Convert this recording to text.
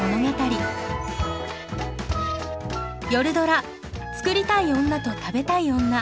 夜ドラ「作りたい女と食べたい女」。